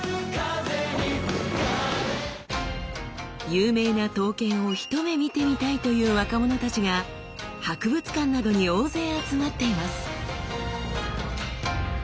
有名な刀剣を一目見てみたいという若者たちが博物館などに大勢集まっています。